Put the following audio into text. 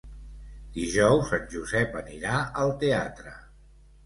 Dijous en Josep anirà al teatre.